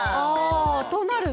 となると？